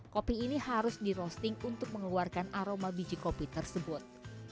kopi ini harus di roasting untuk mengeluarkan aroma biji kopi tersebut